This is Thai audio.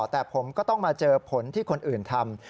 แต่ผมก็ต้องมาเจอผลที่คนอื่นทำ